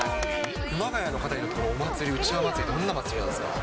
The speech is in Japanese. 熊谷の方にとってのお祭り、うちわ祭りはどんな祭りなんですか？